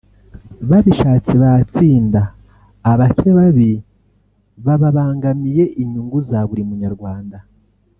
babishatse batsinda abake babi babangangamiye inyungu za buli munyarwanda